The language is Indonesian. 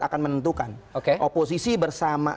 akan menentukan oke oposisi bersama